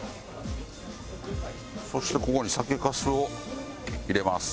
そしてここに酒粕を入れます。